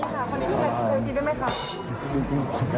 ชอบตอนเชื่อโซซีได้มั้ยคะ